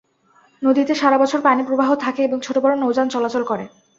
নদীটিতে সারাবছর পানিপ্রবাহ থাকে এবং ছোটবড় নৌযান চলাচল করে।